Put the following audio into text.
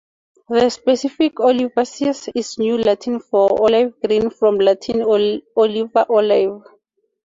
The specific "olivaceus" is New Latin for "olive-green", from Latin "oliva" "olive".